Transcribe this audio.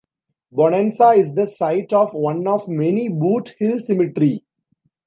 Bonanza is the site of one of many Boot Hill Cemetery.